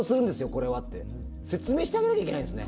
これはって説明してあげなきゃいけないんですね。